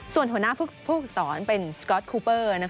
ส่วนหัวหน้าผู้ฝึกสอนเป็นสก๊อตคูเปอร์